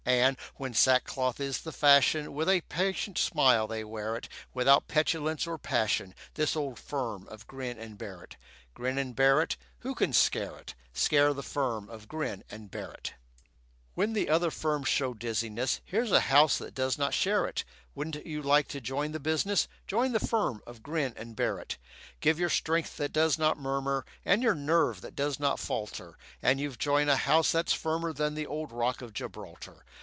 And, when sackcloth is the fashion, With a patient smile they wear it, Without petulance or passion, This old firm of Grin and Barrett. Grin and Barrett, Who can scare it? Scare the firm of Grin and Barrett? When the other firms show dizziness, Here's a house that does not share it. Wouldn't you like to join the business? Join the firm of Grin and Barrett? Give your strength that does not murmur, And your nerve that does not falter, And you've joined a house that's firmer Than the old rock of Gibraltar.